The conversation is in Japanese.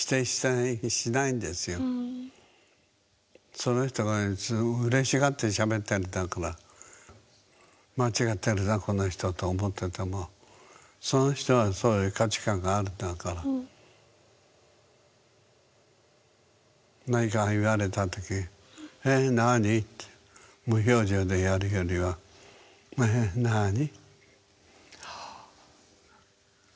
その人がうれしがってしゃべってるんだから「間違ってるなこの人」と思ってても何か言われたとき「へぇなぁに？」って無表情でやるよりは「へぇなぁに？」。